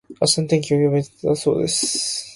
明日の天気は雨だそうです。